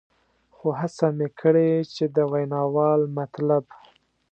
خو هڅه مې کړې چې د ویناوال مطلب.